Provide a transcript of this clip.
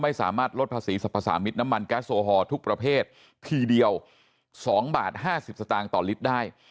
ไม่สามารถลดภาษีสรรพสามิตรน้ำมันแก๊สโอฮอลทุกประเภททีเดียว๒บาท๕๐สตางค์ต่อลิตรได้